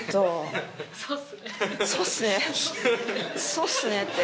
そうっすねって。